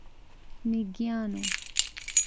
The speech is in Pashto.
میږیانو،